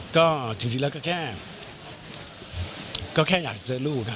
คุณก็อยากเซิร์ชลูกครับ